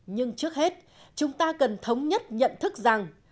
nhưng trước hết chúng ta cần thống nhất nhận thức rằng